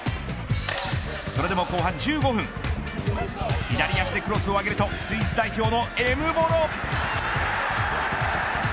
それでも後半１５分左足でクロスを上げるとスイス代表のエムボロ。